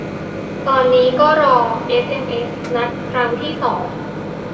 ตอนนี้ก็รอเอสเอ็มเอสนัดครั้งที่สอง